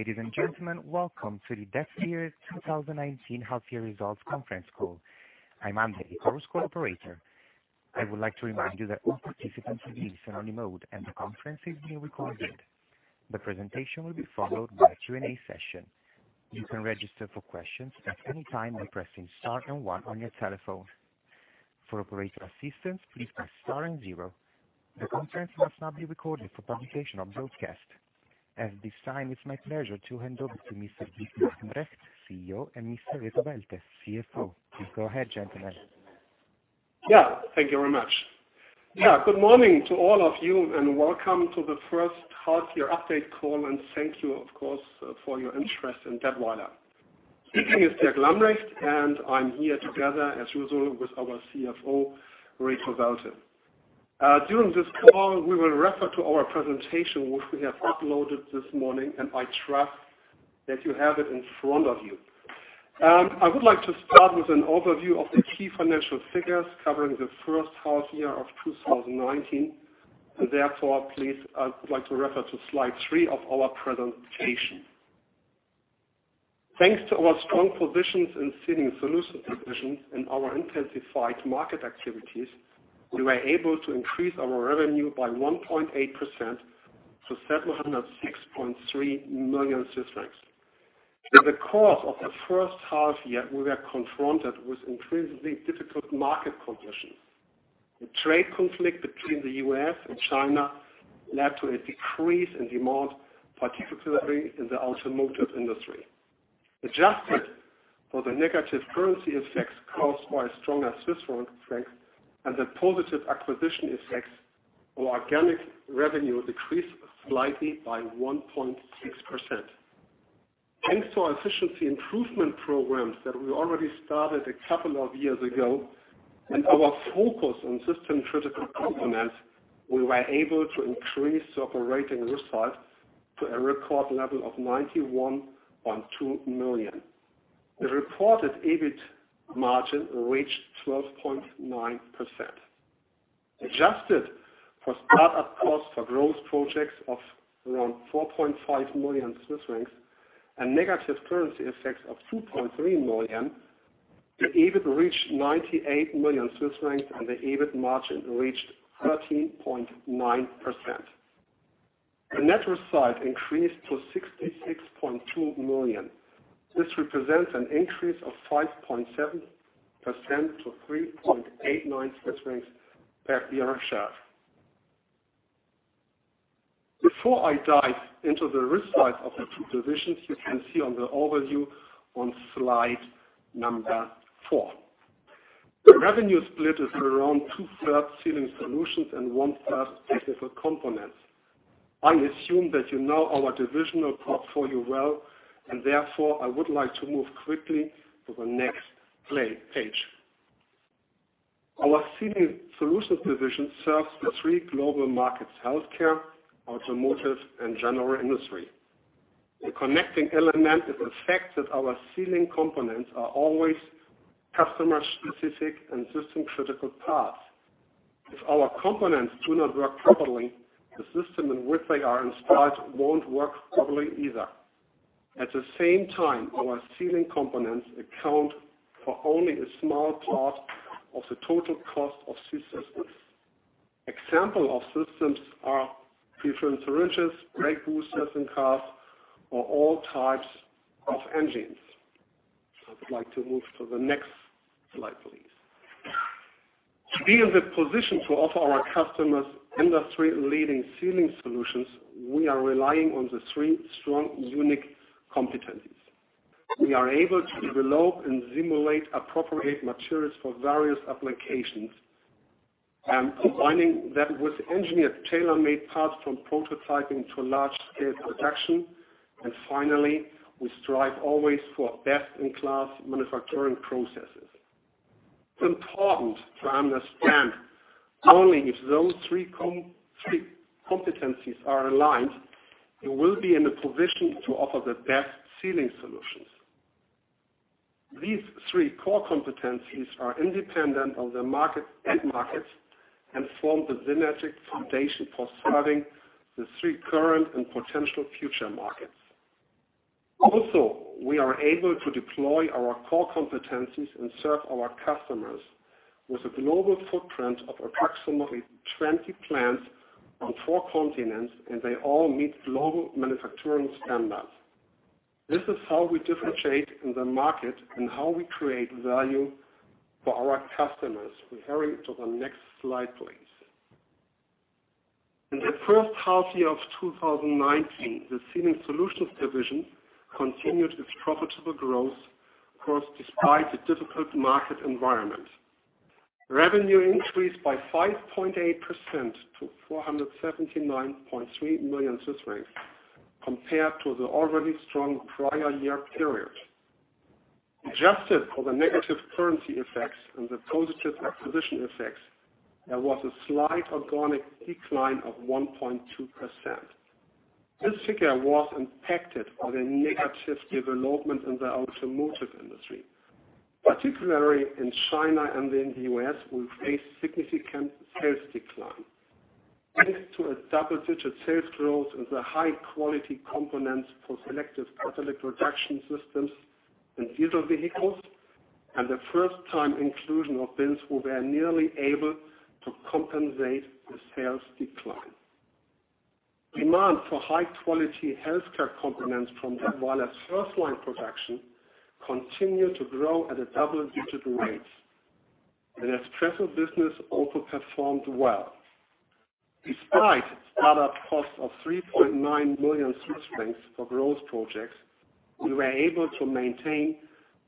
Ladies and gentlemen, welcome to the DEVS Year 2019 Half Year Results conference call. I'm Andy, your conference call operator. I would like to remind you that all participants have been placed on remote and the conference is being recorded. The presentation will be followed by a Q&A session. You can register for questions at any time by pressing star and one on your telephone. For operator assistance, please press star and zero. The conference must now be recorded for publication of the broadcast. At this time, it's my pleasure to hand over to Mr. Dirk Lambrecht, CEO, and Mr. Reto Welte, CFO. Please go ahead, gentlemen. Yeah, thank you very much. Good morning to all of you, and welcome to the first half year update call, and thank you, of course, for your interest in Dätwyler. Speaking is Dirk Lambrecht, and I'm here together, as usual, with our CFO, Reto Welte. During this call, we will refer to our presentation, which we have uploaded this morning, and I trust that you have it in front of you. I would like to start with an overview of the key financial figures covering the first half year of 2019, and therefore, please, I would like to refer to slide three of our presentation. Thanks to our strong positions in Sealing Solutions division and our intensified market activities, we were able to increase our revenue by 1.8% to 706.3 million Swiss francs. In the course of the first half year, we were confronted with increasingly difficult market conditions. The trade conflict between the U.S. and China led to a decrease in demand, particularly in the automotive industry. Adjusted for the negative currency effects caused by a stronger Swiss franc and the positive acquisition effects, our organic revenue decreased slightly by 1.6%. Thanks to our efficiency improvement programs that we already started a couple of years ago and our focus on system-critical components, we were able to increase our operating results to a record level of 91.2 million. The reported EBIT margin reached 12.9%. Adjusted for start-up costs for growth projects of around 4.5 million Swiss francs and negative currency effects of 2.3 million, the EBIT reached 98 million Swiss francs, and the EBIT margin reached 13.9%. The net result increased to 66.2 million. This represents an increase of 5.7% to 3.89 Swiss francs per share. Before I dive into the results of the two divisions, you can see on the overview on slide number four. The revenue split is around two-thirds Sealing Solutions and one-third Technical Components. I assume that you know our divisional portfolio well, and therefore, I would like to move quickly to the next page. Our Sealing Solutions division serves the three global markets, healthcare, automotive, and general industry. The connecting element is the fact that our sealing components are always customer specific and system critical parts. If our components do not work properly, the system in which they are installed won't work properly either. At the same time, our sealing components account for only a small part of the total cost of systems. Example of systems are different syringes, brake boosters in cars or all types of engines. I would like to move to the next slide, please. To be in the position to offer our customers industry-leading sealing solutions, we are relying on the three strong, unique competencies. We are able to develop and simulate appropriate materials for various applications and combining that with engineered tailor-made parts from prototyping to large-scale production. Finally, we strive always for best-in-class manufacturing processes. It's important to understand only if those three competencies are aligned, we will be in a position to offer the best sealing solutions. These three core competencies are independent of the end markets and form the genetic foundation for serving the three current and potential future markets. Also, we are able to deploy our core competencies and serve our customers with a global footprint of approximately 20 plants on four continents, and they all meet global manufacturing standards. This is how we differentiate in the market and how we create value for our customers. We hurry to the next slide, please. In the first half year of 2019, the Sealing Solutions division continued its profitable growth course despite the difficult market environment. Revenue increased by 5.8% to 479.3 million Swiss francs compared to the already strong prior year period. Adjusted for the negative currency effects and the positive acquisition effects, there was a slight organic decline of 1.2%. This figure was impacted by the negative development in the automotive industry. Particularly in China and in the U.S., we faced significant sales decline. Thanks to a double-digit sales growth and the high-quality components for selective catalytic reduction systems and diesel vehicles, and the first-time inclusion of Bins, we were nearly able to compensate the sales decline. Demand for high-quality healthcare components from Dätwyler's FirstLine production continued to grow at a double-digit rate. The espresso business also performed well. Despite start-up costs of 3.9 million Swiss francs for growth projects, we were able to maintain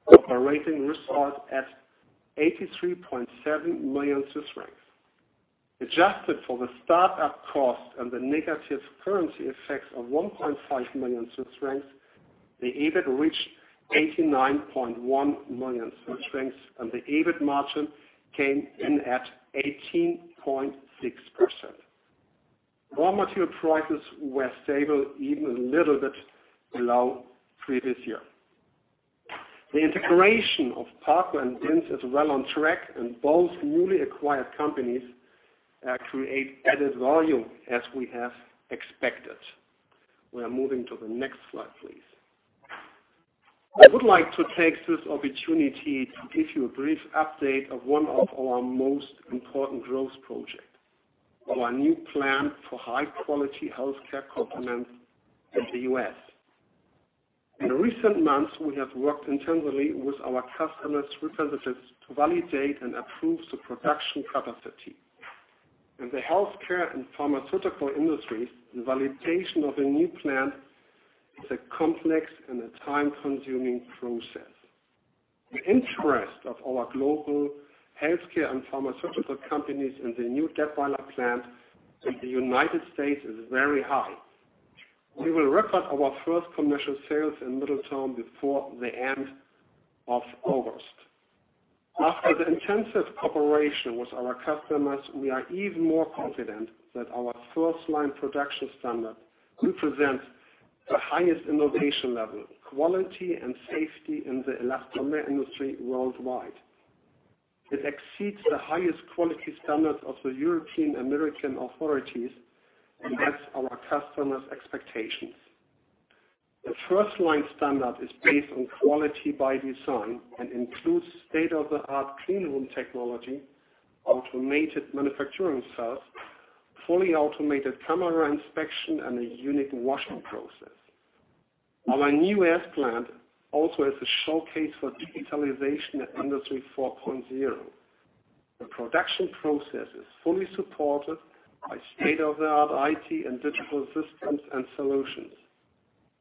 operating results at 83.7 million Swiss francs. Adjusted for the start-up cost and the negative currency effects of 1.5 million Swiss francs, the EBIT reached 89.1 million Swiss francs, and the EBIT margin came in at 18.6%. Raw material prices were stable, even a little bit below previous year. The integration of Parco and Bins is well on track, and both newly acquired companies create added value as we have expected. We are moving to the next slide, please. I would like to take this opportunity to give you a brief update of one of our most important growth projects, our new plan for high-quality healthcare components in the U.S. In recent months, we have worked intensively with our customers' representatives to validate and approve the production capacity. In the healthcare and pharmaceutical industries, the validation of a new plant is a complex and a time-consuming process. The interest of our global healthcare and pharmaceutical companies in the new Dätwyler plant in the U.S. is very high. We will record our first commercial sales in Middletown before the end of August. After the intensive cooperation with our customers, we are even more confident that our FirstLine production standard represents the highest innovation level, quality, and safety in the elastomer industry worldwide. It exceeds the highest quality standards of the European American authorities and that's our customers' expectations. The FirstLine standard is based on quality by design and includes state-of-the-art clean room technology, automated manufacturing cells, fully automated camera inspection, and a unique washing process. Our new U.S. plant also is a showcase for digitalization at Industry 4.0. The production process is fully supported by state-of-the-art IT and digital systems and solutions.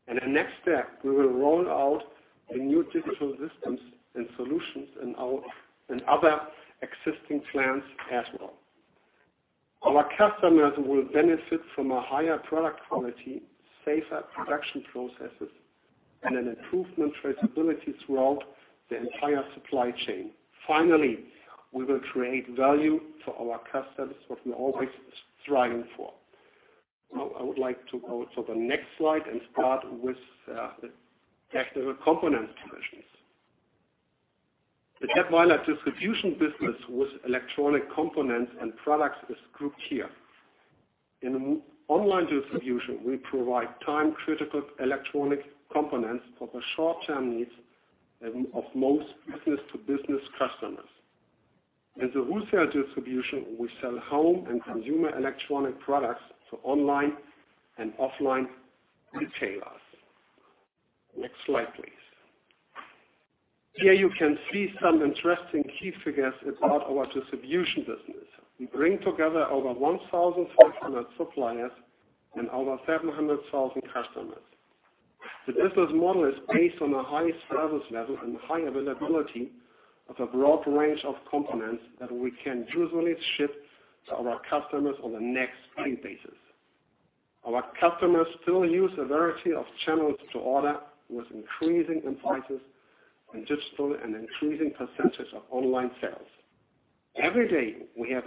In the next step, we will roll out the new digital systems and solutions in other existing plants as well. Our customers will benefit from a higher product quality, safer production processes, and an improvement traceability throughout the entire supply chain. Finally, we will create value for our customers, what we're always striving for. Now, I would like to go to the next slide and start with the Technical Components divisions. The Dätwyler distribution business with electronic components and products is grouped here. In online distribution, we provide time-critical electronic components for the short-term needs of most business-to-business customers. In the wholesale distribution, we sell home and consumer electronic products to online and offline retailers. Next slide, please. Here you can see some interesting key figures about our distribution business. We bring together over 1,400 suppliers and over 700,000 customers. The business model is based on a high service level and high availability of a broad range of components that we can usually ship to our customers on the next day basis. Our customers still use a variety of channels to order, with increasing emphasis on digital and increasing % of online sales. Every day, we have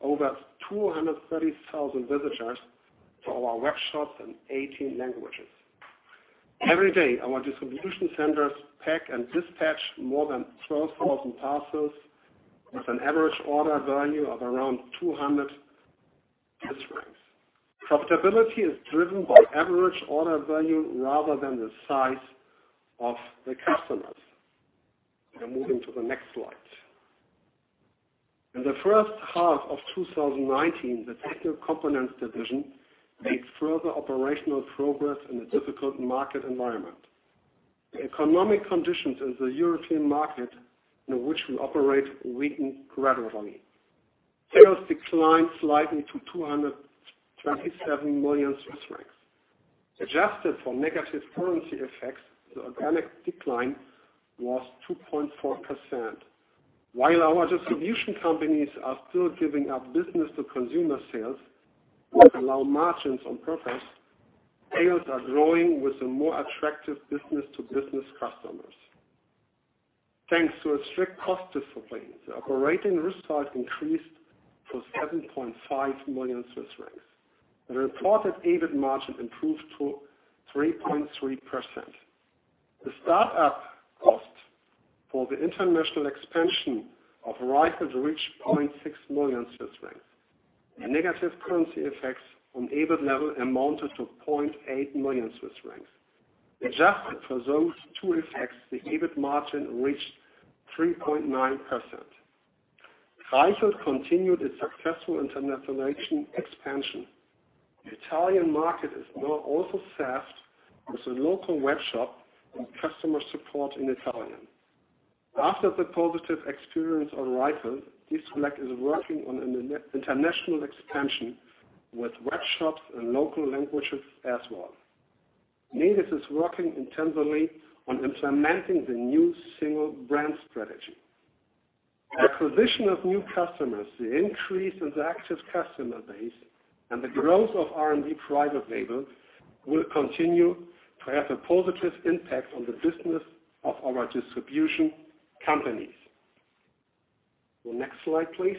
over 230,000 visitors to our workshops in 18 languages. Every day, our distribution centers pack and dispatch more than 12,000 parcels with an average order value of around 200 francs. Profitability is driven by average order value rather than the size of the customers. We are moving to the next slide. In the first half of 2019, the Technical Components division made further operational progress in a difficult market environment. The economic conditions in the European market in which we operate weakened gradually. Sales declined slightly to 227 million Swiss francs. Adjusted for negative currency effects, the organic decline was 2.4%. While our distribution companies are still giving up business-to-consumer sales with low margins on purpose, sales are growing with the more attractive business-to-business customers. Thanks to a strict cost discipline, the operating results increased to 7.5 million Swiss francs. The reported EBIT margin improved to 3.3%. The start-up cost for the international expansion of Reichelt to reach 0.6 million Swiss francs. The negative currency effects on EBIT level amounted to 0.8 million Swiss francs. Adjusted for those two effects, the EBIT margin reached 3.9%. Reichelt continued its successful international expansion. The Italian market is now also staffed with a local webshop and customer support in Italian. After the positive experience on Reichelt, Distrelec is working on an international expansion with webshops and local languages as well. Nedis is working intensively on implementing the new single brand strategy. Acquisition of new customers, the increase in the active customer base, and the growth of RND private label will continue to have a positive impact on the business of our distribution companies. The next slide, please.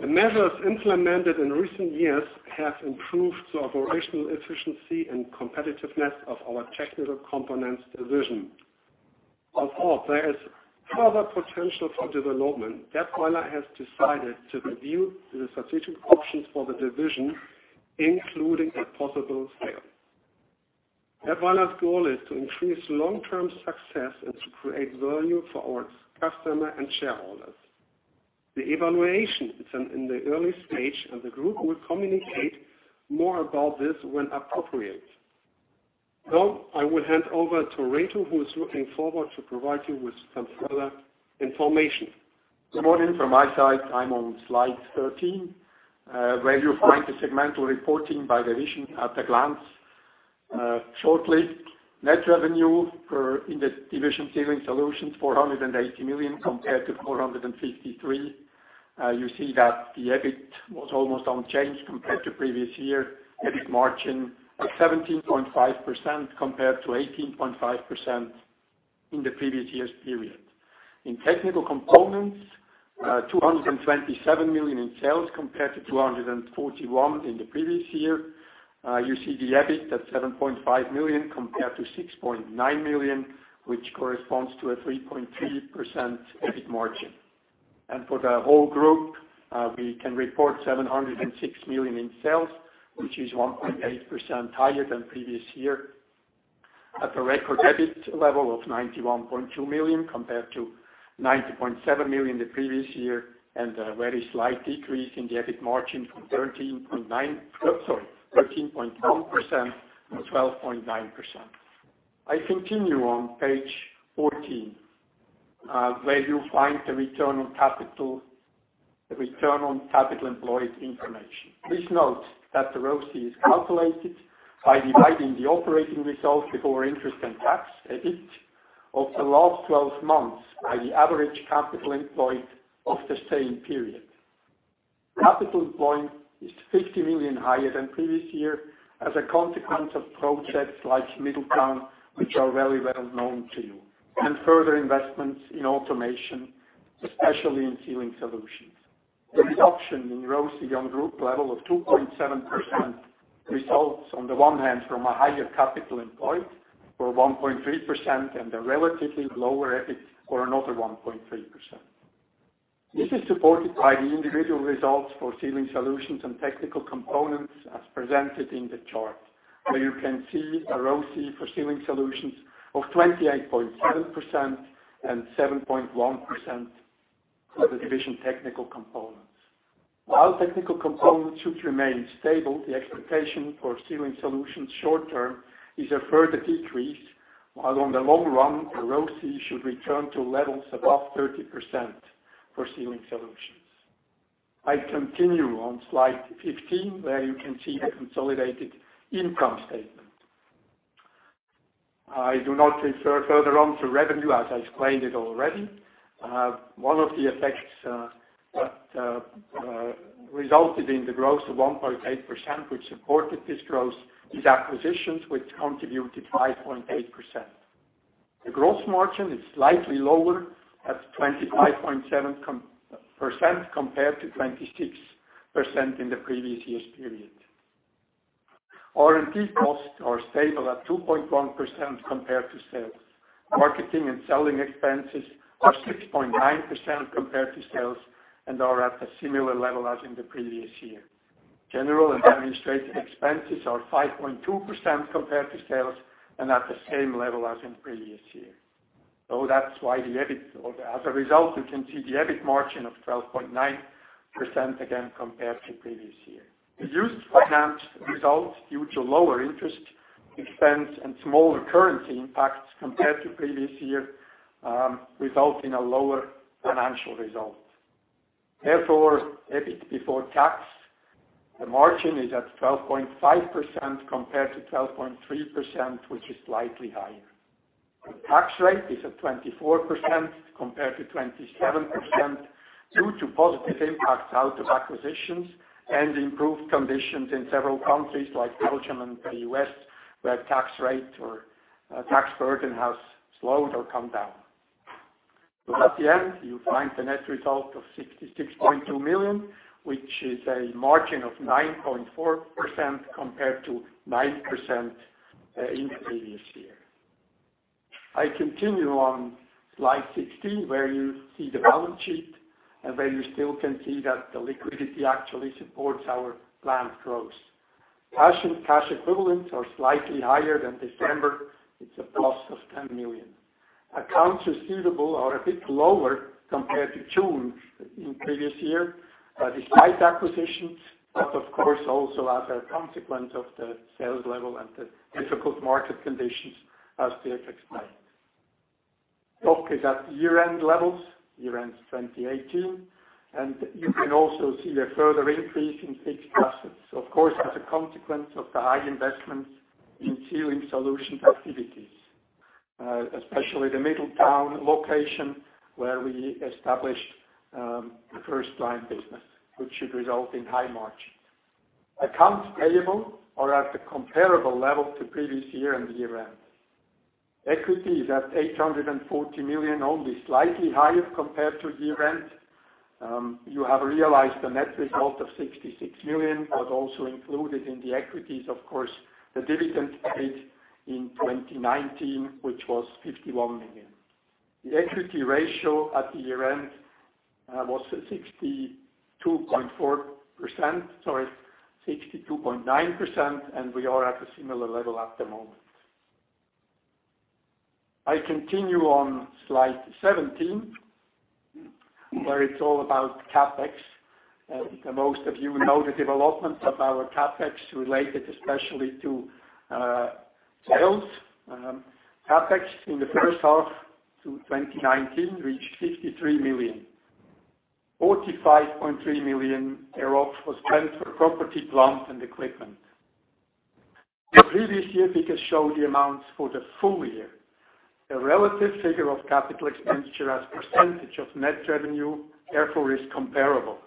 The measures implemented in recent years have improved the operational efficiency and competitiveness of our Technical Components division. Although there is further potential for development, Dätwyler has decided to review the strategic options for the division, including a possible sale. Dätwyler's goal is to increase long-term success and to create value for our customer and shareholders. The evaluation is in the early stage, and the Group will communicate more about this when appropriate. I will hand over to Reto, who is looking forward to provide you with some further information. Good morning from my side. I'm on slide 13. Where you find the segmental reporting by division at a glance. Shortly, net revenue in the division Sealing Solutions, 480 million compared to 453 million. You see that the EBIT was almost unchanged compared to previous year. EBIT margin at 17.5% compared to 18.5% in the previous year's period. In Technical Components, 227 million in sales compared to 241 million in the previous year. You see the EBIT at 7.5 million compared to 6.9 million, which corresponds to a 3.3% EBIT margin. For the whole Group, we can report 706 million in sales, which is 1.8% higher than previous year. At a record EBIT level of 91.2 million compared to 90.7 million the previous year, and a very slight decrease in the EBIT margin from 13.2% to 12.9%. I continue on page 14, where you'll find the return on capital employed information. Please note that the ROCE is calculated by dividing the operating results before interest and tax, EBIT, of the last 12 months by the average capital employed of the same period. Capital employed is 50 million higher than previous year as a consequence of projects like Middletown, which are very well known to you, and further investments in automation, especially in Sealing Solutions. The reduction in ROCE on Group level of 2.7% results on the one hand from a higher capital employed for 1.3% and a relatively lower EBIT for another 1.3%. This is supported by the individual results for Sealing Solutions and Technical Components as presented in the chart, where you can see a ROCE for Sealing Solutions of 28.7% and 7.1% for the division Technical Components. While Technical Components should remain stable, the expectation for Sealing Solutions short-term is a further decrease, while in the long-run, the ROCE should return to levels above 30% for Sealing Solutions. I continue on slide 15, where you can see the consolidated income statement. I do not refer further on to revenue, as I explained it already. One of the effects that resulted in the growth of 1.8%, which supported this growth, is acquisitions which contributed 5.8%. The gross margin is slightly lower at 25.7% compared to 26% in the previous year's period. R&D costs are stable at 2.1% compared to sales. Marketing and selling expenses are 6.9% compared to sales and are at a similar level as in the previous year. General and administrative expenses are 5.2% compared to sales and at the same level as in previous year. As a result, we can see the EBIT margin of 12.9% again compared to previous year. The used finance results due to lower interest expense and smaller currency impacts compared to previous year result in a lower financial result. Therefore, EBIT before tax, the margin is at 12.5% compared to 12.3%, which is slightly higher. The tax rate is at 24% compared to 27% due to positive impacts out of acquisitions and improved conditions in several countries like Belgium and the U.S., where tax rate or tax burden has slowed or come down. At the end, you find the net result of 66.2 million, which is a margin of 9.4% compared to 9% in the previous year. I continue on slide 16, where you see the balance sheet and where you still can see that the liquidity actually supports our planned growth. Cash and cash equivalents are slightly higher than December. It's a plus of 10 million. Accounts receivable are a bit lower compared to June in previous year, despite acquisitions, but of course, also as a consequence of the sales level and the difficult market conditions as Dirk explained. Stock is at year-end levels, year-end 2018, and you can also see a further increase in fixed assets, of course, as a consequence of the high investments in Sealing Solutions activities, especially the Middletown location where we established the FirstLine business, which should result in high margin. Accounts payable are at a comparable level to previous year and the year-end. Equity is at 840 million, only slightly higher compared to year-end. You have realized the net result of 66 million was also included in the equities, of course, the dividend paid in 2019, which was 51 million. The equity ratio at the year-end was 62.9%. We are at a similar level at the moment. I continue on slide 17, where it's all about CapEx. Most of you know the development of our CapEx related especially to sales. CapEx in the first half to 2019 reached 63 million. CHF 45.3 million thereof was spent for property, plant, and equipment. The previous year, we could show the amounts for the full year. The relative figure of capital expenditure as % of net revenue, therefore is comparable.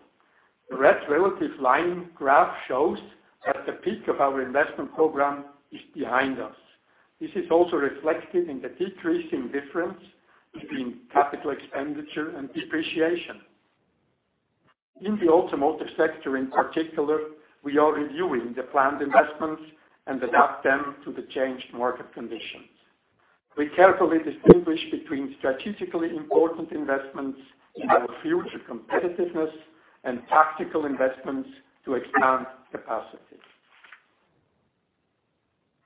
The red relative line graph shows that the peak of our investment program is behind us. This is also reflected in the decreasing difference between capital expenditure and depreciation. In the automotive sector, in particular, we are reviewing the planned investments and adapt them to the changed market conditions. We carefully distinguish between strategically important investments in our future competitiveness and tactical investments to expand capacity.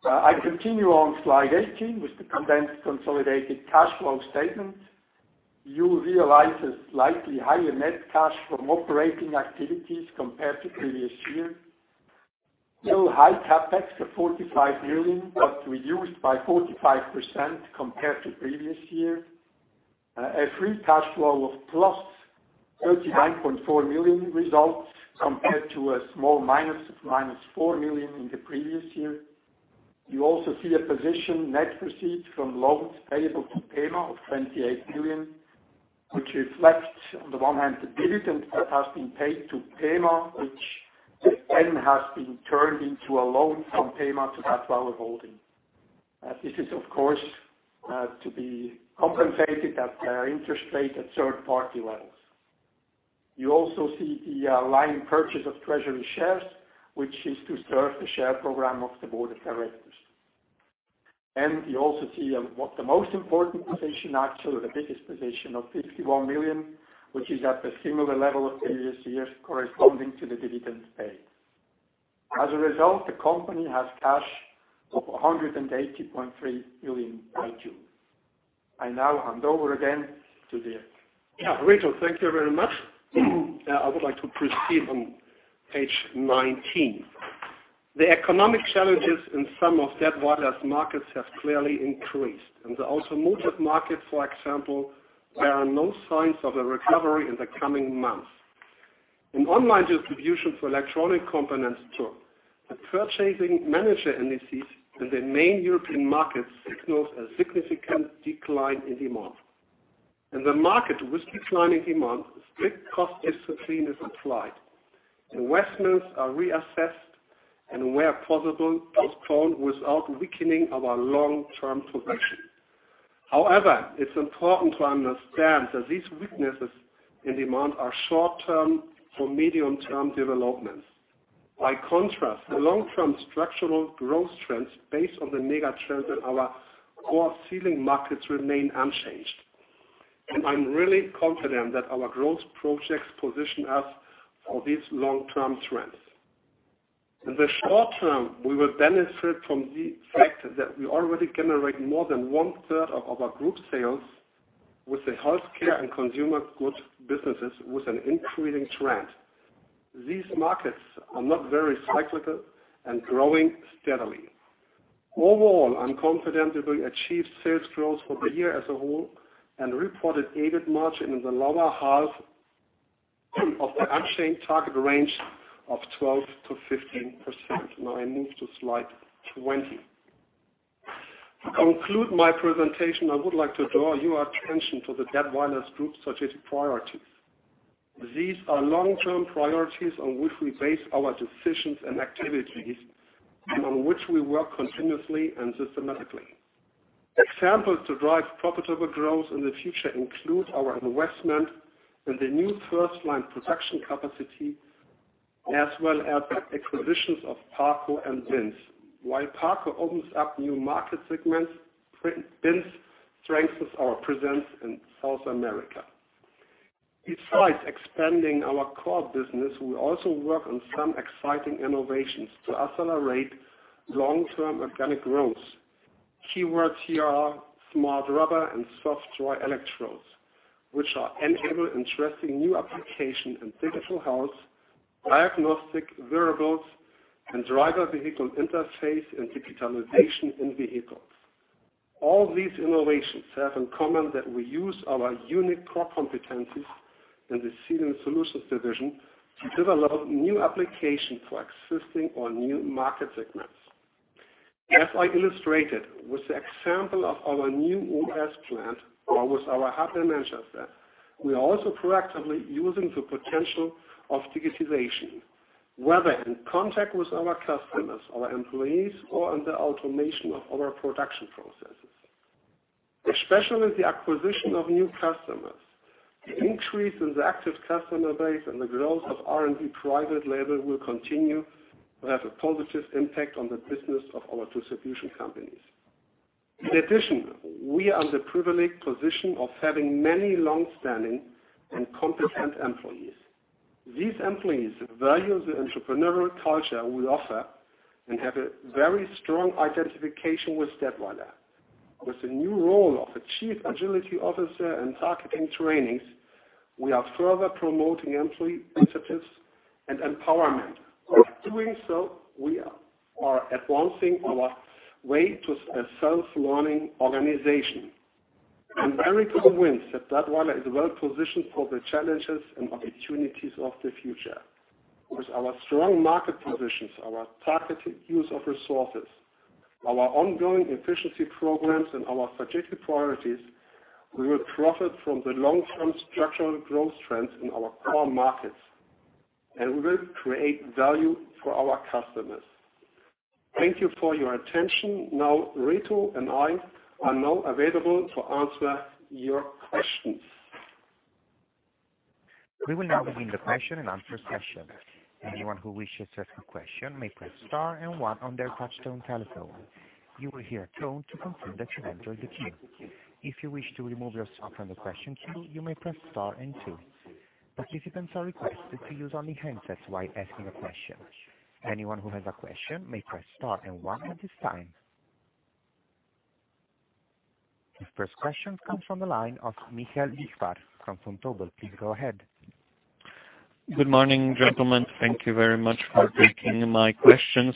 I continue on slide 18 with the condensed consolidated cash flow statement. You realize a slightly higher net cash from operating activities compared to previous year. Still high CapEx of 45 million, but reduced by 45% compared to previous year. A free cash flow of plus 39.4 million results compared to a small minus of minus 4 million in the previous year. You also see a position net proceed from loans payable to PEMA of 28 million, which reflects, on the one hand, the dividend that has been paid to PEMA, which then has been turned into a loan from PEMA to Dätwyler Holding. This is, of course, to be compensated at interest rate at third-party levels. You also see the line purchase of treasury shares, which is to serve the share program of the board of directors. You also see what the most important position, actually, the biggest position of 51 million, which is at the similar level of previous years corresponding to the dividends paid. As a result, the company has cash of 180.3 million by June. I now hand over again to Dirk. Yeah, Reto, thank you very much. I would like to proceed on page 19. The economic challenges in some of Dätwyler's markets have clearly increased. In the automotive market, for example, there are no signs of a recovery in the coming months. In online distribution for electronic components, too, the purchasing manager indices in the main European markets signals a significant decline in demand. In the market with declining demand, strict cost discipline is applied. Investments are reassessed and where possible, postponed without weakening our long-term position. It's important to understand that these weaknesses in demand are short-term or medium-term developments. The long-term structural growth trends based on the mega-trends in our core Sealing markets remain unchanged. I'm really confident that our growth projects position us for these long-term trends. In the short term, we will benefit from the fact that we already generate more than one-third of our group sales with the healthcare and consumer goods businesses with an increasing trend. These markets are not very cyclical and growing steadily. Overall, I'm confident that we achieved sales growth for the year as a whole and reported EBIT margin in the lower half of the unchanged target range of 12%-15%. I move to slide 20. To conclude my presentation, I would like to draw your attention to the Dätwyler's Group strategic priorities. These are long-term priorities on which we base our decisions and activities, and on which we work continuously and systematically. Examples to drive profitable growth in the future include our investment in the new FirstLine production capacity, as well as acquisitions of Parco and Bins. While Parco opens up new market segments, Bins strengthens our presence in South America. Besides expanding our core business, we also work on some exciting innovations to accelerate long-term organic growth. Keywords here are smart rubber and soft dry electrodes, which enable interesting new applications in digital health, diagnostic wearables, and driver vehicle interface and digitalization in vehicles. All these innovations have in common that we use our unique core competencies in the Sealing Solutions division to develop new applications for existing or new market segments. As I illustrated with the example of our new U.S. plant or with our hub in Manchester, we are also proactively using the potential of digitization, whether in contact with our customers, our employees, or in the automation of our production processes. Especially with the acquisition of new customers, the increase in the active customer base and the growth of R&D private label will continue to have a positive impact on the business of our distribution companies. We are in the privileged position of having many longstanding and competent employees. These employees value the entrepreneurial culture we offer and have a very strong identification with Dätwyler. With the new role of the Chief Agility Officer and targeting trainings, we are further promoting employee initiatives and empowerment. By doing so, we are advancing our way to a self-learning organization. I'm very convinced that Dätwyler is well-positioned for the challenges and opportunities of the future. With our strong market positions, our targeted use of resources, our ongoing efficiency programs, and our strategic priorities, we will profit from the long-term structural growth trends in our core markets, and we will create value for our customers. Thank you for your attention. Now, Reto and I are now available to answer your questions. We will now begin the question and answer session. Anyone who wishes to ask a question may press star and one on their touch-tone telephone. You will hear a tone to confirm that you entered the queue. If you wish to remove yourself from the question queue, you may press star and two. Participants are requested to use only handsets while asking a question. Anyone who has a question may press star and one at this time. The first question comes from the line of Michael Ifkovits from ZKB. Please go ahead. Good morning, gentlemen. Thank you very much for taking my questions.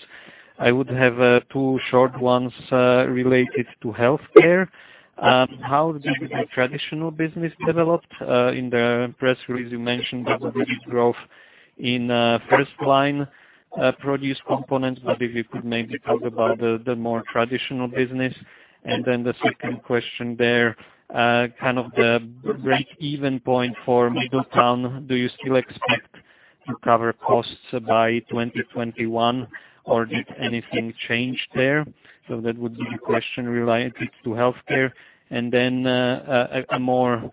I would have two short ones related to healthcare. How did the traditional business develop? In the press release, you mentioned the good growth in FirstLine produced components, but if you could maybe talk about the more traditional business. The second question there, the break-even point for Middletown. Do you still expect to cover costs by 2021, or did anything change there? That would be the question related to healthcare. A more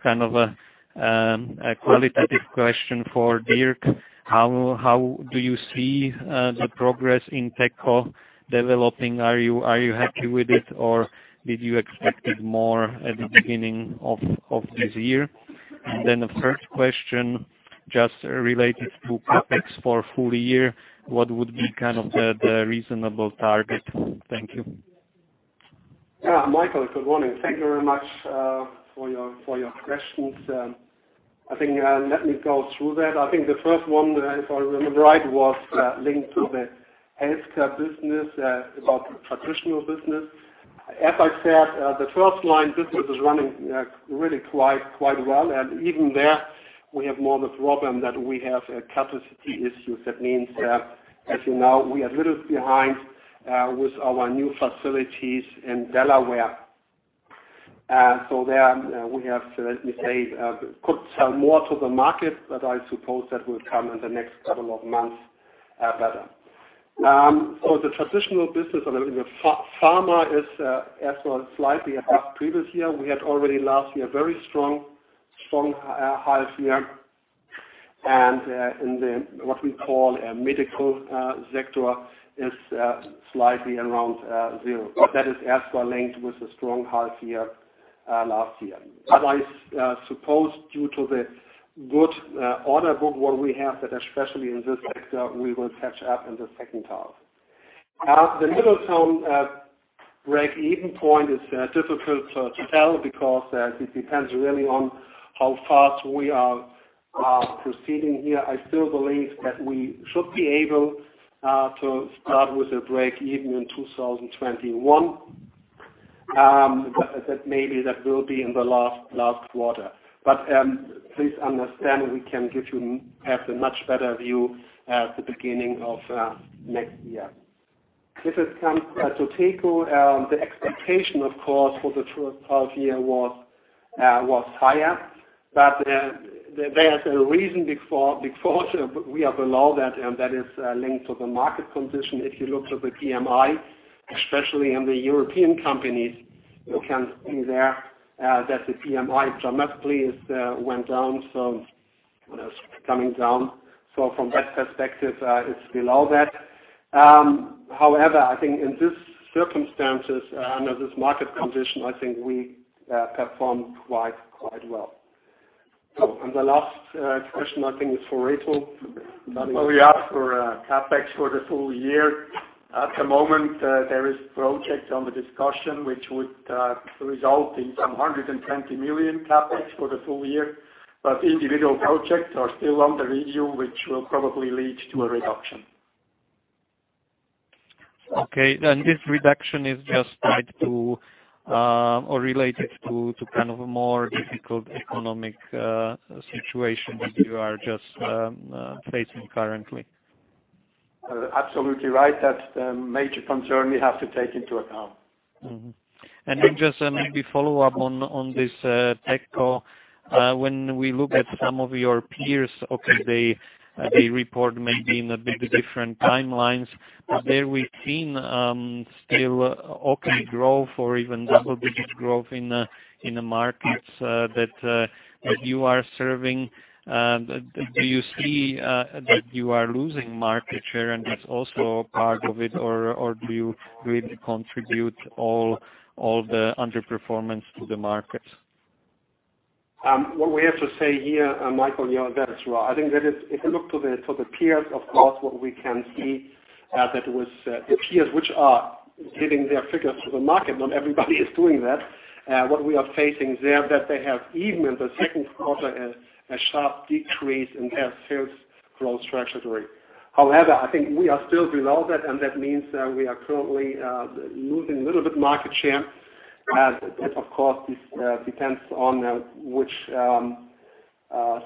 qualitative question for Dirk. How do you see the progress in TeCo developing? Are you happy with it, or did you expect it more at the beginning of this year? The first question just related to CapEx for full year, what would be the reasonable target? Thank you. Michael, good morning. Thank you very much for your questions. Let me go through that. I think the first one, if I remember right, was linked to the healthcare business, about traditional business. As I said, the FirstLine business is running really quite well. Even there, we have more of a problem that we have capacity issues. That means that, as you know, we are a little behind with our new facilities in Delaware. There we have to, let me say, could sell more to the market. I suppose that will come in the next couple of months better. The traditional business in the pharma is as well slightly above previous year. We had already last year very strong half year. In the, what we call, medical sector is slightly around zero. That is as well linked with the strong half year last year. Otherwise, I suppose, due to the good order book, what we have that especially in this sector, we will catch up in the second half. The Middletown break-even point is difficult to tell because it depends really on how fast we are proceeding here. I still believe that we should be able to start with a break even in 2021. Maybe that will be in the last quarter. Please understand, we can have a much better view at the beginning of next year. If it comes to TeCo, the expectation, of course, for the first half year was higher. There is a reason before we are below that, and that is linked to the market condition. If you look to the PMI, especially in the European companies, you can see there that the PMI dramatically went down. From that perspective, it's below that. However, I think in this circumstances, under this market condition, I think we performed quite well. The last question, I think is for Reto. Well, we ask for CapEx for the full year. At the moment, there is projects under discussion which would result in some 120 million CapEx for the full year. Individual projects are still under review, which will probably lead to a reduction. Okay. This reduction is just tied to or related to a more difficult economic situation that you are just facing currently. Absolutely right. That's the major concern we have to take into account. Mm-hmm. Just maybe follow up on this TeCo. When we look at some of your peers, okay, they report maybe in a bit different timelines. There we've seen still open growth or even double-digit growth in the markets that you are serving. Do you see that you are losing market share and that's also a part of it, or do you really contribute all the underperformance to the market? What we have to say here, Michael, yeah, that's right. I think that if you look to the peers, of course, what we can see that it was the peers which are giving their figures to the market. Not everybody is doing that. What we are facing there, that they have even in the second quarter, a sharp decrease in their sales growth trajectory. However, I think we are still below that, and that means that we are currently losing a little bit market share. That, of course, depends on which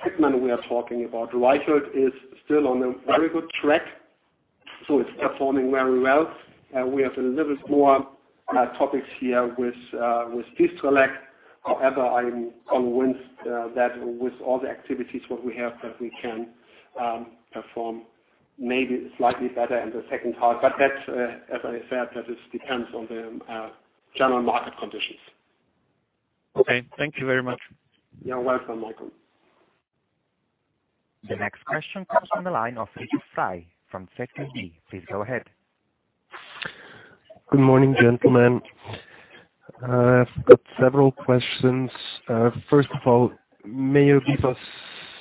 segment we are talking about. Reichelt is still on a very good track, it's performing very well. We have a little bit more topics here with Distrelec. However, I am convinced that with all the activities what we have, that we can perform maybe slightly better in the second half. That, as I said, it depends on the general market conditions. Okay. Thank you very much. You are welcome, Michael. The next question comes from the line of Richard Frei from ZKB. Please go ahead. Good morning, gentlemen. I've got several questions. May you give us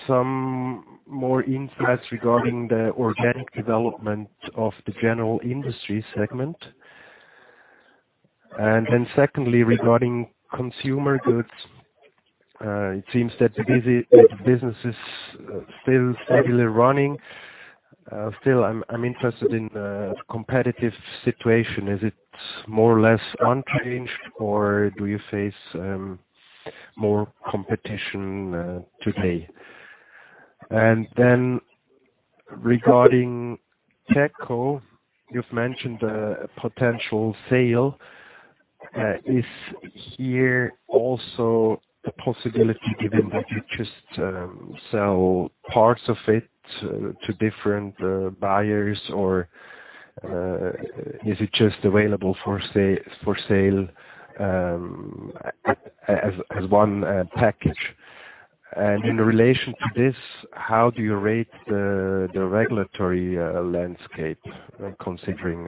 some more insights regarding the organic development of the general industry segment? Secondly, regarding consumer goods, it seems that the business is still steadily running. Still, I'm interested in the competitive situation. Is it more or less unchanged, or do you face more competition today? Regarding TeCo, you've mentioned a potential sale. Is here also a possibility that you just sell parts of it to different buyers, or is it just available for sale as one package? In relation to this, how do you rate the regulatory landscape when considering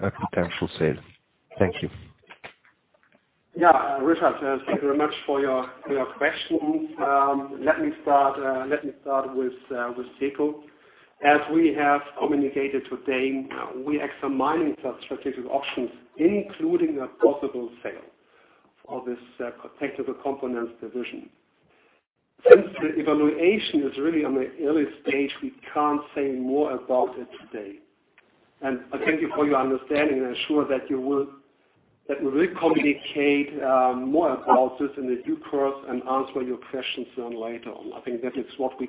a potential sale? Thank you. Yeah. Richard, thank you very much for your questions. Let me start with TeCo. As we have communicated today, we are examining strategic options, including a possible sale of this Technical Components division. The evaluation is really on the early stage, we can't say more about it today. I thank you for your understanding and ensure that we communicate more about this in the due course and answer your questions then later on. I think that is what we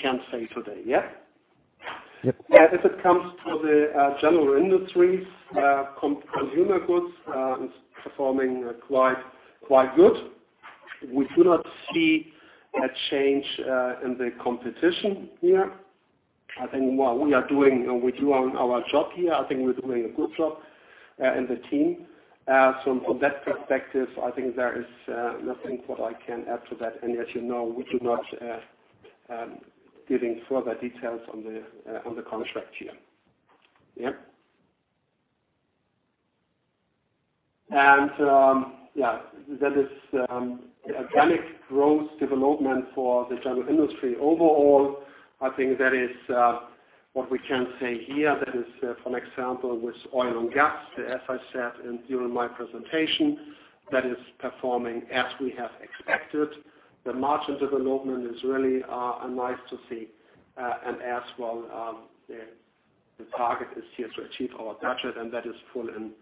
can say today, yeah? Yep. If it comes to the general industries, consumer goods is performing quite good. We do not see a change in the competition here. I think what we are doing, and we do our job here, I think we're doing a good job in the team. From that perspective, I think there is nothing what I can add to that. As you know, we do not giving further details on the contract here. Yep. Yeah, that is organic growth development for the general industry. Overall, I think that is what we can say here. That is, for example, with oil and gas, as I said during my presentation, that is performing as we have expected. The margin development is really nice to see, and as well, the target is here to achieve our budget, and that is full in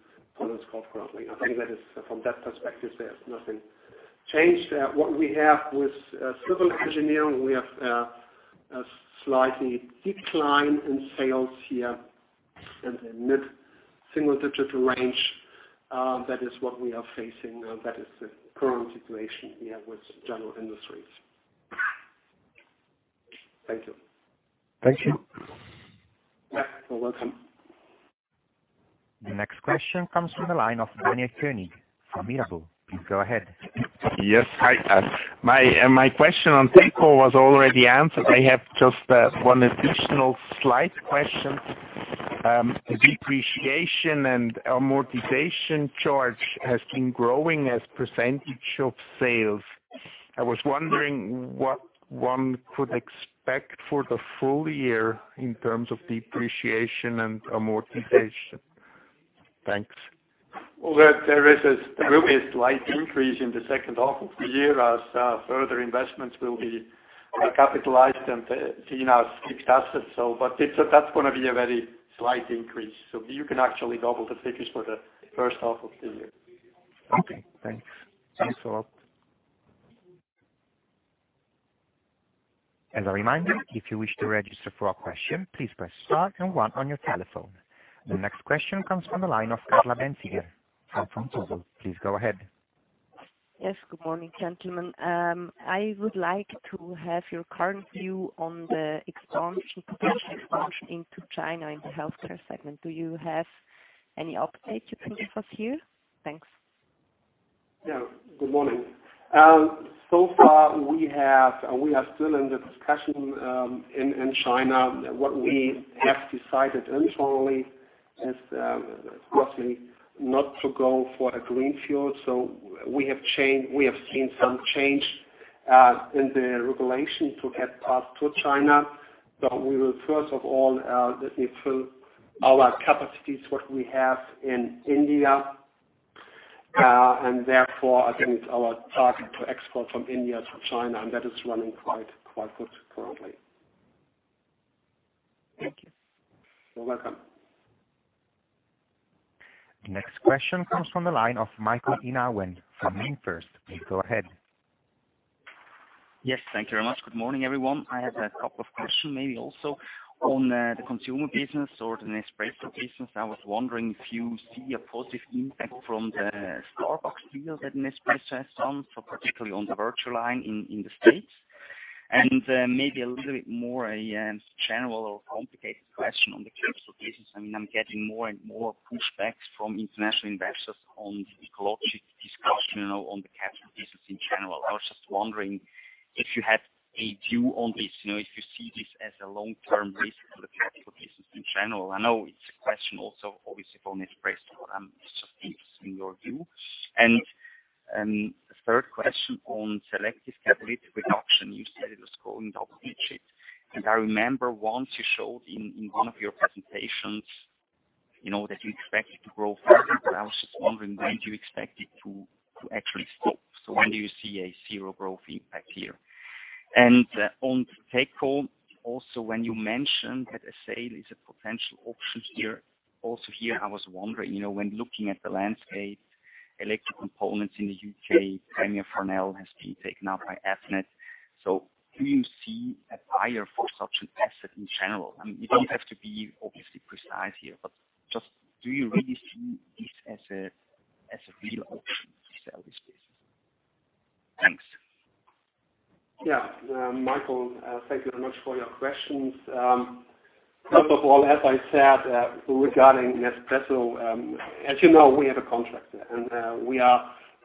scope currently. I think that is from that perspective, there's nothing changed. What we have with civil engineering, we have a slightly decline in sales here in the mid-single-digit range. That is what we are facing now. That is the current situation we have with general industries. Thank you. Thank you. You're welcome. The next question comes from the line of Daniela Turnheim from Mirabaud. Please go ahead. Yes. My question on TeCo was already answered. I have just one additional slight question. Depreciation and amortization charge has been growing as percentage of sales. I was wondering what one could expect for the full year in terms of depreciation and amortization. Thanks. Well, there will be a slight increase in the second half of the year as further investments will be capitalized and seen as fixed assets. That's going to be a very slight increase. You can actually double the figures for the first half of the year. Okay, thanks. Yes. Thanks a lot. As a reminder, if you wish to register for a question, please press star and one on your telephone. The next question comes from the line of Carla Bänziger from Vontobel. Please go ahead. Yes. Good morning, gentlemen. I would like to have your current view on the potential expansion into China in the healthcare segment. Do you have any update you can give us here? Thanks. Yeah, good morning. Far, we are still in the discussion in China. What we have decided internally is, roughly, not to go for a greenfield. We have seen some change in the regulation to add us to China. We will, first of all, let me fill our capacities, what we have in India. Therefore, I think our target to export from India to China, and that is running quite good currently. Thank you. You're welcome. The next question comes from the line of Michael Inauen from MainFirst. Please go ahead. Yes, thank you very much. Good morning, everyone. I have a couple of questions, maybe also on the consumer business or the Nespresso business. I was wondering if you see a positive impact from the Starbucks deal that Nespresso has done, particularly on the VertuoLine in the States. Maybe a little bit more a general or complicated question on the capsule business. I'm getting more and more pushbacks from international investors on the ecological discussion on the capsule business in general. I was just wondering if you had a view on this, if you see this as a long-term risk for the capsule business in general. I know it's a question also, obviously, for Nespresso, but I'm just interested in your view. The third question on selective catalytic reduction. You said it was going double digits. I remember once you showed in one of your presentations that you expected to grow further, but I was just wondering when do you expect it to actually stop. When do you see a zero growth impact here? On TeCo, also, when you mentioned that a sale is a potential option here, also here, I was wondering, when looking at the landscape, electronic components in the U.K., Premier Farnell has been taken up by Avnet. Do you see a buyer for such an asset in general? I mean, you don't have to be obviously precise here, but just do you really see this as a real option to sell this business? Thanks. Yeah. Michael, thank you very much for your questions. First of all, as I said, regarding Nespresso, as you know, we have a contract there. We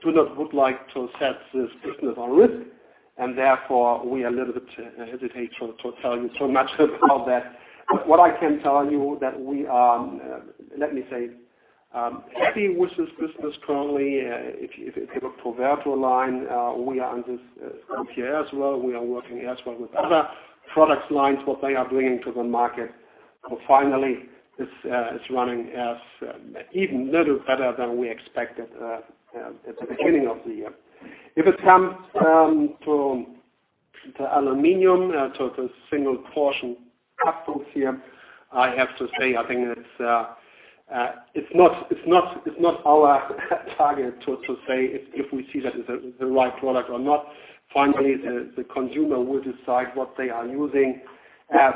would like to set this business on risk, therefore we are a little bit hesitant to tell you so much about that. What I can tell you that we are, let me say, happy with this business currently. If you look for VertuoLine, we are on this LPR as well. We are working as well with other product lines, what they are bringing to the market. Finally, it's running as even a little better than we expected at the beginning of the year. If it comes to the aluminum, to the single-portion capsules here, I have to say, I think it's not our target to say if we see that as the right product or not. Finally, the consumer will decide what they are using.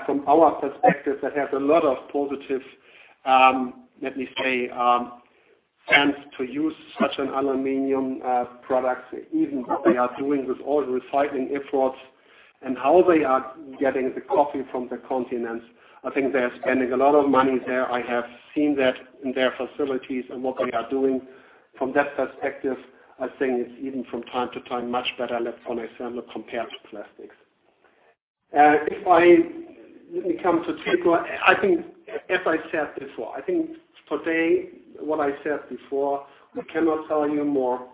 From our perspective, that has a lot of positive, let me say, sense to use such an aluminum product, even what they are doing with all the recycling efforts and how they are getting the coffee from the continents. I think they are spending a lot of money there. I have seen that in their facilities and what they are doing. From that perspective, I think it's even from time to time, much better let's say on a thermal compared to plastics. Let me come to TeCo. As I said before, I think today, what I said before, we cannot tell you more.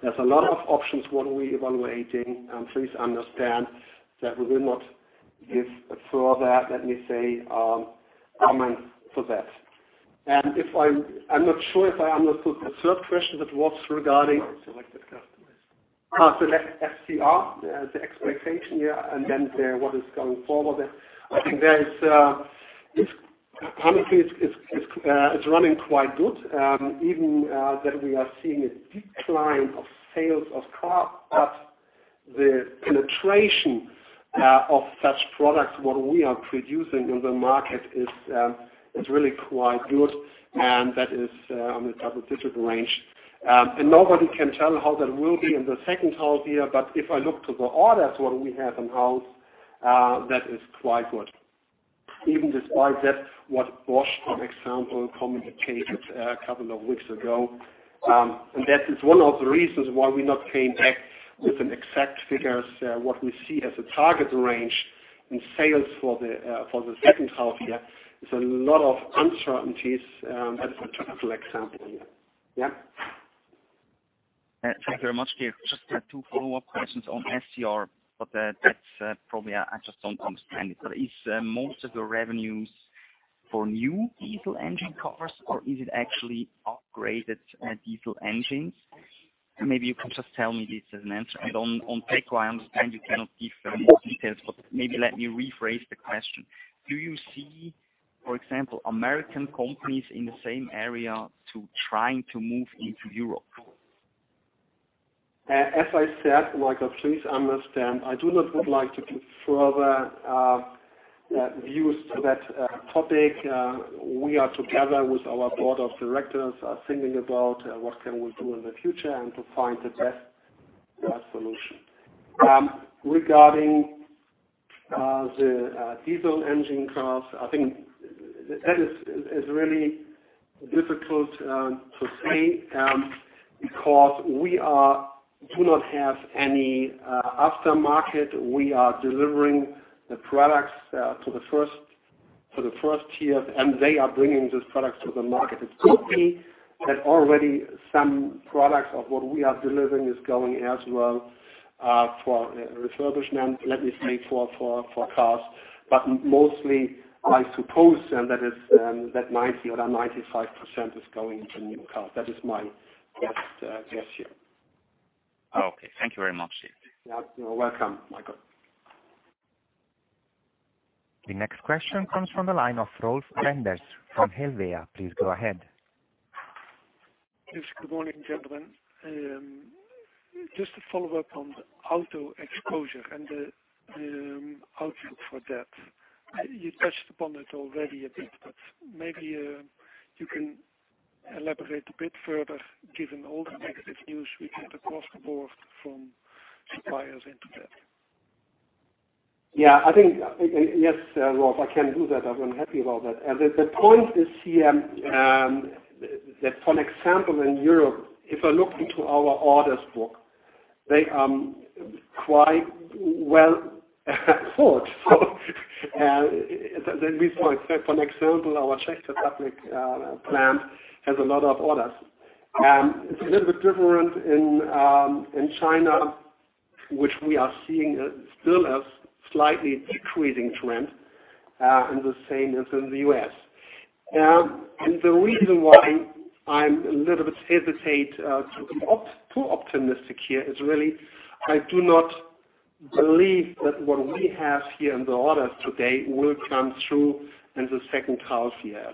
There's a lot of options what we evaluating. Please understand that we will not give further, let me say, comments for that. I'm not sure if I understood the third question, but was regarding. Selected customers. SCR, the expectation, yeah. Then what is going forward. I think currently, it's running quite good. Even that we are seeing a decline of sales of cars, but the penetration of such products, what we are producing in the market is really quite good, and that is on the double-digit range. Nobody can tell how that will be in the second half-year, but if I look to the orders, what we have in-house, that is quite good. Even despite that, what Bosch, for example, communicated a couple of weeks ago. That is one of the reasons why we not came back with an exact figures. What we see as a target range in sales for the second half-year is a lot of uncertainties. That's a typical example, yeah. Thank you very much. I just had two follow-up questions on SCR, that's probably, I just don't understand it. Is most of the revenues for new diesel engine cars, or is it actually upgraded diesel engines? Maybe you can just tell me this as an answer. On Parco, I understand you cannot give very much details, maybe let me rephrase the question. Do you see, for example, American companies in the same area to trying to move into Europe? As I said, Michael, please understand, I do not would like to give further views to that topic. We are together with our board of directors, are thinking about what can we do in the future and to find the best solution. Regarding the diesel engine cars, I think that is really difficult to say, because we do not have any aftermarket. We are delivering the products for the 1st tier, and they are bringing these products to the market. It could be that already some products of what we are delivering is going as well for refurbishment, let me say, for cars. Mostly, I suppose that 90% or 95% is going to new cars. That is my guess, yeah. Okay. Thank you very much. You're welcome, Michael. The next question comes from the line of Rolf Enderlin from Helvea. Please go ahead. Yes, good morning, gentlemen. Just a follow-up on the auto exposure and the outlook for that. You touched upon it already a bit, but maybe you can elaborate a bit further given all the negative news we get across the board from suppliers into that. I think, yes, Rolf, I can do that. I'm happy about that. The point is here that for example, in Europe, if I look into our orders book, they are quite well thought. For example, our Middletown production plant has a lot of orders. It's a little bit different in China, which we are seeing still as slightly decreasing trend, and the same as in the U.S. The reason why I'm a little bit hesitate to be too optimistic here is really I do not believe that what we have here in the orders today will come through in the second half year.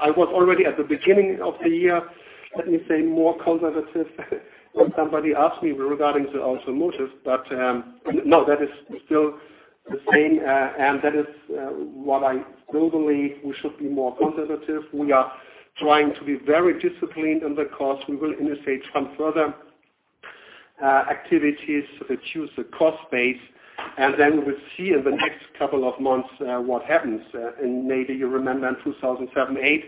I was already at the beginning of the year, let me say, more conservative when somebody asked me regarding the automotive. No, that is still the same, and that is what I globally, we should be more conservative. We are trying to be very disciplined in the cost. We will initiate some further activities to reduce the cost base, then we'll see in the next couple of months what happens. Maybe you remember in 2007/2008,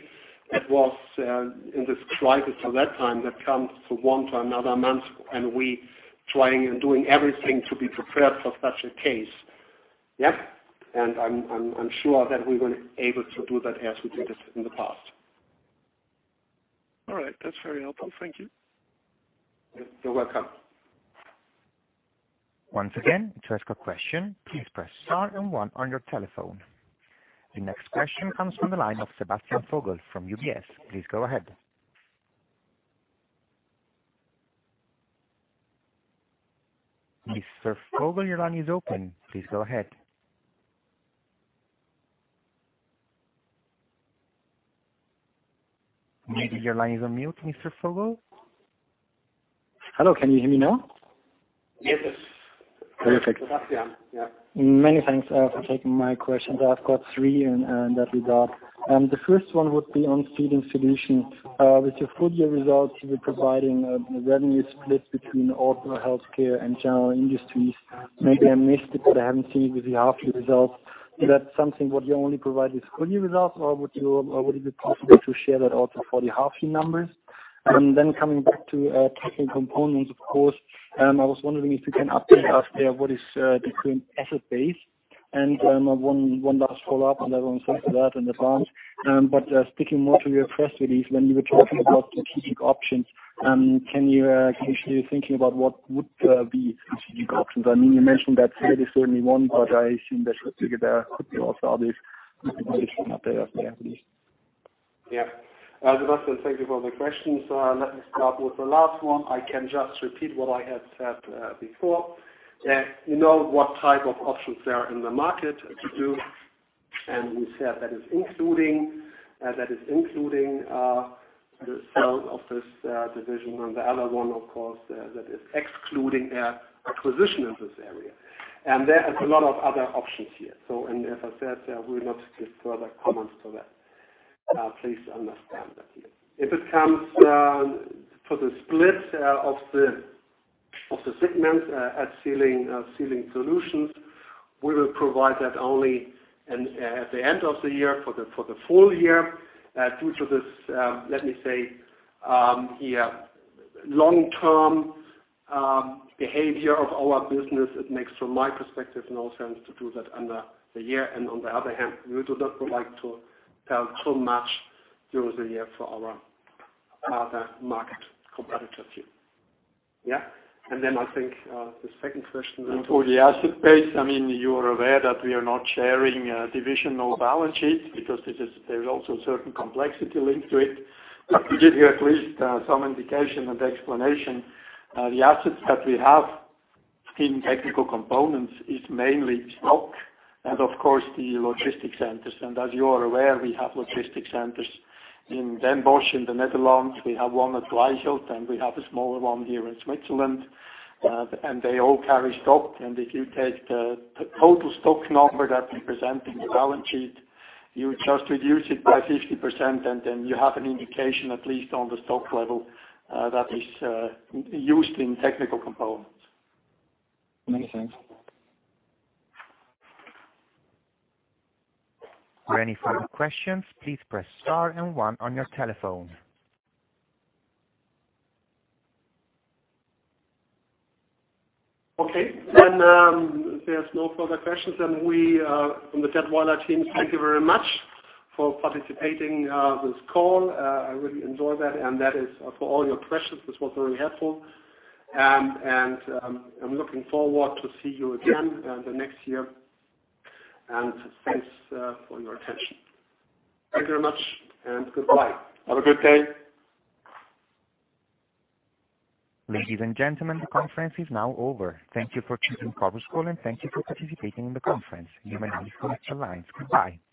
it was in this crisis at that time that comes to one to another month, we trying and doing everything to be prepared for such a case. Yep. I'm sure that we will able to do that as we did it in the past. All right. That's very helpful. Thank you. You're welcome. Once again, to ask a question, please press star and one on your telephone. The next question comes from the line of Sebastian Vogel from UBS. Please go ahead. Mr. Vogel, your line is open. Please go ahead. Maybe your line is on mute, Mr. Vogel. Hello, can you hear me now? Yes. Perfect. Sebastian, yeah. Many thanks for taking my questions. I've got three in that regard. The first one would be on Sealing Solutions. With your full year results, you were providing a revenue split between auto, healthcare, and general industries. Maybe I missed it, but I haven't seen it with the half year results. Is that something what you only provide with full year results, or would it be possible to share that also for the half year numbers? Coming back to Technical Components, of course, I was wondering if you can update us there, what is the current asset base. One last follow-up, and I want to thank you for that in advance. Sticking more to your press release, when you were talking about strategic options, can you share what you're thinking about what would be strategic options? You mentioned that sale is certainly one. I assume that strategic, there could be also others. Maybe you can update us there, please. Sebastian, thank you for the questions. Let me start with the last one. I can just repeat what I had said before, that we know what type of options there are in the market to do, and we said that is including the sale of this division and the other one, of course, that is excluding acquisition in this area. There is a lot of other options here. As I said, we will not give further comments to that. Please understand that. If it comes for the split of the segments at Sealing Solutions, we will provide that only at the end of the year for the full year, due to this, let me say, long-term behavior of our business, it makes, from my perspective, no sense to do that under the year. On the other hand, we do not like to tell too much during the year for our market competitive view. Yeah. I think, the second question. For the asset base, you are aware that we are not sharing divisional balance sheets because there is also certain complexity linked to it. We give you at least some indication and explanation. The assets that we have in Technical Components is mainly stock and of course the logistics centers. As you are aware, we have logistics centers in Den Bosch in the Netherlands. We have one at Reichelt, and we have a smaller one here in Switzerland. They all carry stock. If you take the total stock number that we present in the balance sheet, you just reduce it by 50%, and then you have an indication, at least on the stock level, that is used in Technical Components. Makes sense. For any further questions, please press Star and One on your telephone. Okay. There's no further questions, then we from the Dätwyler team thank you very much for participating this call. I really enjoy that and that is for all your questions. This was very helpful. I'm looking forward to see you again the next year. Thanks for your attention. Thank you very much and goodbye. Have a good day. Ladies and gentlemen, the conference is now over. Thank you for choosing Conference Call, and thank you for participating in the conference. You may disconnect your lines. Goodbye.